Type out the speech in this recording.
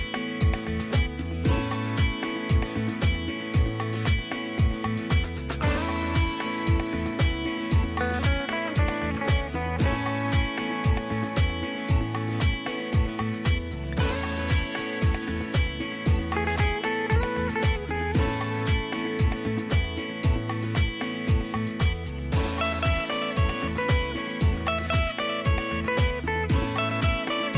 สวัสดีครับสวัสดีครับสวัสดีครับ